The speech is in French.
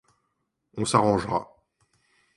On s'arrangera.